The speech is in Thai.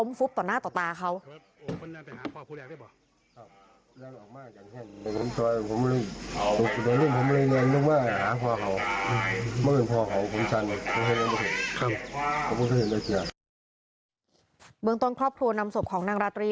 เมืองต้นครอบครัวนำศพของนางราตรี